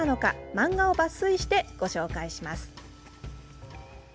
漫画を抜粋してご紹介します。